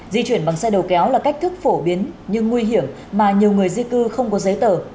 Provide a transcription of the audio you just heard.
di chuyển bằng xe đầu kéo là cách thức phổ biến nhưng nguy hiểm mà nhiều người di cư không có giấy tờ lựa chọn để đến mỹ